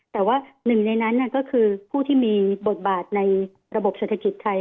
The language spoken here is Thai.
แต่ว่าหนึ่งในนั้นก็คือผู้ที่มีบทบาทในระบบเศรษฐกิจไทย